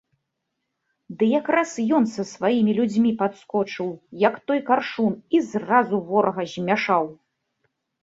Ды якраз ён са сваімі людзьмі падскочыў, як той каршун, і зразу ворага змяшаў.